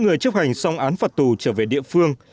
người chấp hành xong án phạt tù trở về địa phương